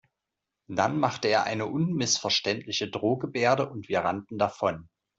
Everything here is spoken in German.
Dann machte er eine unmissverständliche Drohgebärde und wir rannten davon.